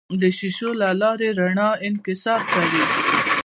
د شیشو له لارې رڼا انکسار کوي.